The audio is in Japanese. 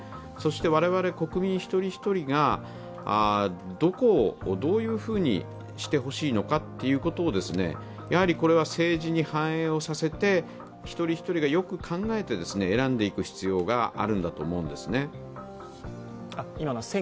我々国民一人一人がどこを、どういうふうにしてほしいのかということをこれは政治に反映させて一人一人がよく考えて選んでいく必要があるんだと思うんですね。